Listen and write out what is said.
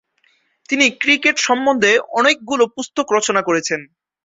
তিনি ক্রিকেট সম্বন্ধে অনেকগুলো পুস্তক রচনা করেছেন।